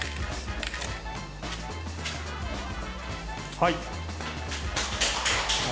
はい。